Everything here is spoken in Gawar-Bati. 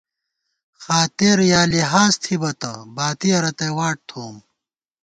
خاطر یا لحاظ تھِبہ تہ باتِیَہ رتئ واٹ تھووُم